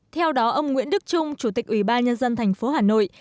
theo đó ông nguyễn đức trung chủ tịch ủy ban nhân dân thành phố hà nội